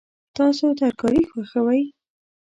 تاسو ترکاري خوښوئ؟